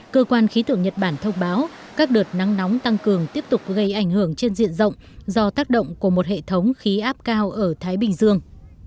cơ quan khí tượng nhật bản thông báo các đợt nắng nóng tăng cường tiếp tục gây ảnh hưởng trên diện rộng do tác động của một hệ thống khí áp cao ở thái bình dương